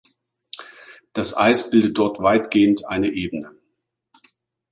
Das Eis bildet dort weitgehend eine Ebene.